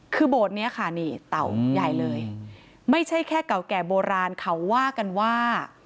คือโบสถ์นี้ค่ะนี่เต่าใหญ่เลยไม่ใช่แค่เก่าแก่โบราณเขาว่ากันว่า